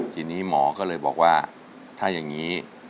ทีนี้หมอก็เลยบอกว่าถ้าอย่างนี้